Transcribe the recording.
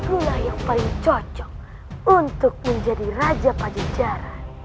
maka senopatilah yang paling cocok untuk menjadi raja bajajara